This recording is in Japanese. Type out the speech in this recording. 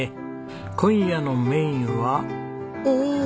今夜のメインはおお！